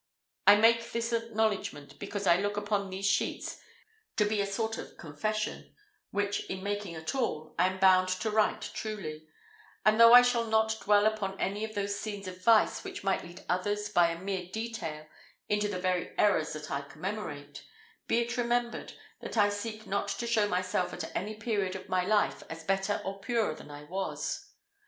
I make this acknowledgment, because I look upon these sheets to be a sort of confession, which in making at all, I am bound to write truly; and though I shall not dwell upon any of those scenes of vice which might lead others by the mere detail into the very errors that I commemorate, be it remembered, that I seek not to show myself at any period of my life as better or purer than I was.